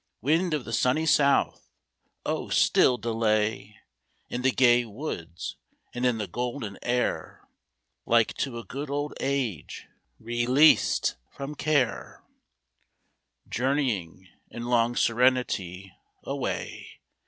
Wind of the sunny south! oh still delay In the gay woods and in the golden air, Like to a good old age released from care, Journeying, in long serenity, away.